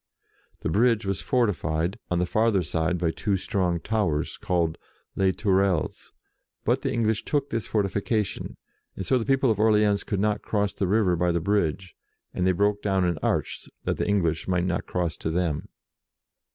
The bridge was fortified, on the farther side, by two strong towers, called Les Tourelles, but the English took this fortification, and so the people of Orleans could not cross the river by the bridge, and they broke down an arch, that the English might not cross to them.